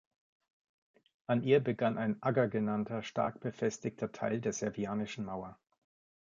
An ihr begann ein "agger" genannter, stark befestigter Teil der Servianischen Mauer.